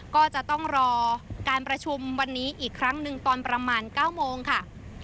ก็จะต้องรอการประชุมวันนี้อีกครั้งหนึ่งตอนประมาณ๙โมงค่ะ